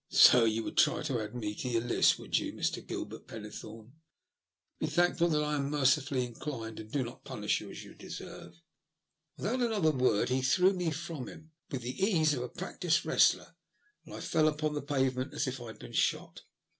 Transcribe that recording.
" So you would try and add me to your list, would you, Mr. Gilbert Pennethorne? Be thankful that I am mercifully inclined, and do not punish you as you deserve." Without another word he threw me from him, with the ease of a practised wrestler, and I fell upon the pavement as if I had been shot.